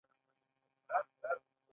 مازيګر به د سيند غاړې ته چکر له لاړ شو